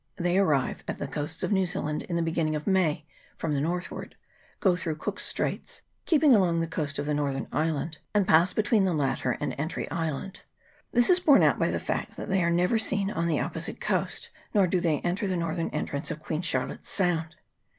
They arrive at the coasts of New Zealand in the beginning of May from the northward, go through Cook's Straits, keeping along the coast of 46 WHALES AND WHALERS. [ PART I. the northern island, and pass between the latter and Entry Island. This is borne out by the fact that they are never seen on the opposite coast, nor do they enter the northern entrance of Queen Char lotte's Sound.